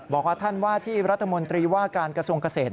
บอกว่าท่านว่าที่รัฐมนตรีว่าการกระทรวงเกษตร